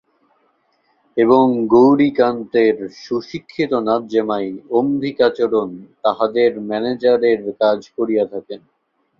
এবং গৌরীকান্তের সুশিক্ষিত নাতজামাই অম্বিকাচরণ তাঁহাদের ম্যানেজারের কাজ করিয়া থাকেন।